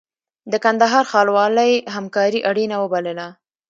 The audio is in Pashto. د کندهار ښاروالۍ همکاري اړینه وبلله.